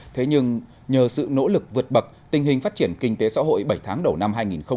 thế nhưng nhờ sự nỗ lực vượt bậc tình hình phát triển kinh tế xã hội bảy tháng đầu năm hai nghìn hai mươi